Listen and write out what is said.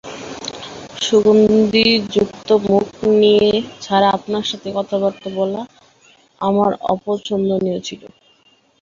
সুগন্ধিযুক্ত মুখ নিয়ে ছাড়া আপনার সাথে কথাবার্তা বলা আমার অপছন্দনীয় ছিল।